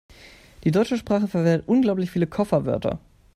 Die deutsche Sprache verwendet unglaublich viele Kofferwörter.